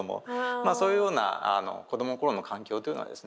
まあそういうような子どもの頃の環境というのはですね